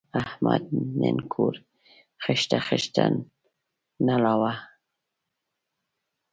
احمد نن کور خښته خښته نړاوه.